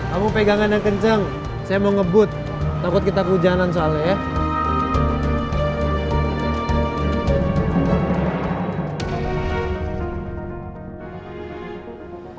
kamu pegangan yang kencang saya mau ngebut takut kita kehujanan soalnya ya